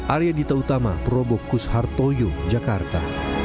arya dita utama probok kus hartoyo jakarta